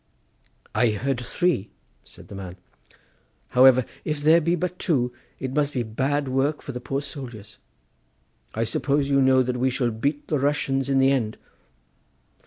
"I heard three," said the man; "however, if there be but two it must be bad work for the poor soldiers. I suppose you think that we shall beat the Russians in the end."